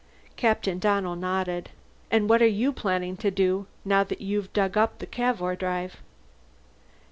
Captain Donnell nodded. "And what are you planning to do, now that you've dug up the Cavour drive?"